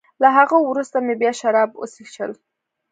له هغه وروسته مې بیا شراب وڅېښل.